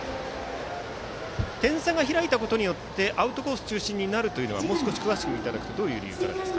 点差が開いたことによってアウトコース中心になるというのはもう少し詳しく教えていただくと。